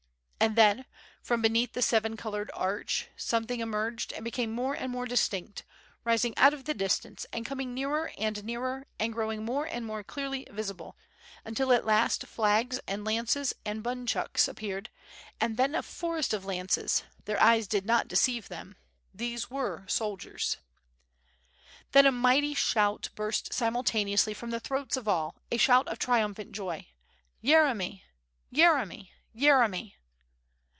And then from beneath the seven colored arch something emerged and became more and more distinct, rising out of the distance and coming nearer and nearer and growing more and more clearly visible, until at last flags and lances and bunchuks appeared, and then a forest of lances; their eyes did not deceive them, these were soldiers. 44 690 WITH FIRE AND SWORD. Then a mighty shout burst simultaneously from the throats of all, a shout of triumphant joy. "Yeremy! Yeremy! Yeremy!"